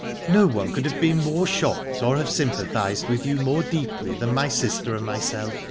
'' •'No one could have been more shocked, or have sympathised with you more deeply than my sister and myself.